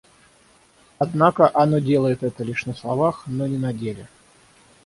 Однако оно делает это лишь на словах, но не на деле.